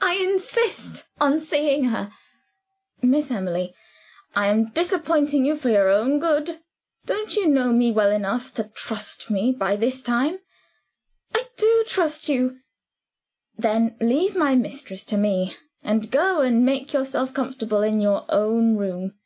"I insist on seeing her." "Miss Emily, I am disappointing you for your own good. Don't you know me well enough to trust me by this time?" "I do trust you." "Then leave my mistress to me and go and make yourself comfortable in your own room."